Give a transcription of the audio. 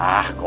ah kau itu